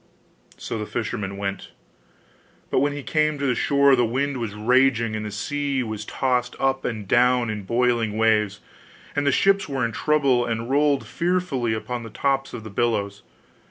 So the fisherman went. But when he came to the shore the wind was raging and the sea was tossed up and down in boiling waves, and the ships were in trouble, and rolled fearfully upon the tops of the billows.